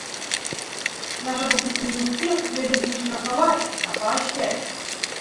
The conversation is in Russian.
Наш относительный успех следует не штрафовать, а поощрять.